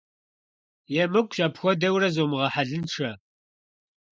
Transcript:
Емыкӏущ, апхуэдэурэ зумыгъэхьэлыншэ.